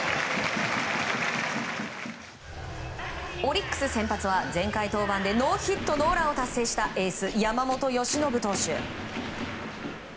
オリックス先発は前回登板でノーヒットノーランを達成したエース、山本由伸投手。